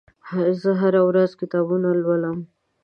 زه هره ورځ کتابونه لولم.